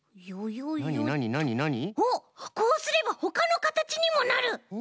おっこうすればほかのかたちにもなる！